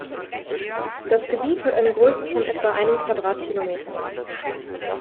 Das Gebiet hat eine Größe von etwa einem Quadratkilometer.